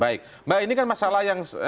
baik mbak ini kan masalahnya ya